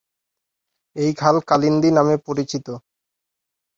এই খাল ‘কালিন্দী' নামে পরিচিত।